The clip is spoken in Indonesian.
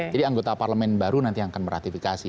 jadi anggota parlemen baru nanti yang akan meratifikasi